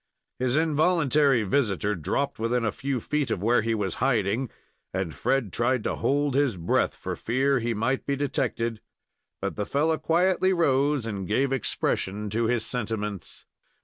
His involuntary visitor dropped within a few feet of where he was hiding, and Fred tried to hold his breath for fear he might be detected; but the fellow quietly rose and gave expression to his sentiments.